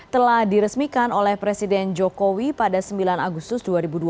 telah diresmikan oleh presiden jokowi pada sembilan agustus dua ribu dua puluh